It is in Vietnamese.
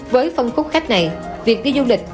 với phân khúc khách này việc đi du lịch